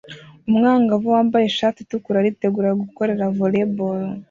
Umwangavu wambaye ishati itukura aritegura gukorera volley ball